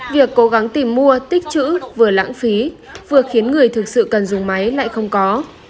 việc cố gắng tìm mua tích chữ vừa lãng phí vừa khiến người thực sự cần dùng máy lại không có